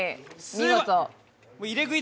見事。